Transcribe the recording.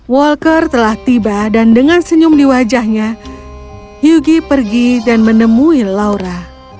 walker telah tiba dan dengan senyum di wajahnya hyugi pergi dan menemui laura